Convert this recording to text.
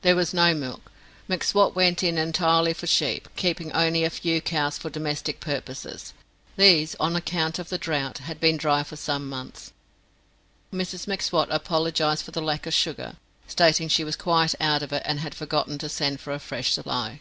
There was no milk. M'Swat went in entirely for sheep, keeping only a few cows for domestic purposes: these, on account of the drought, had been dry for some months. Mrs M'Swat apologized for the lack of sugar, stating she was quite out of it and had forgotten to send for a fresh supply.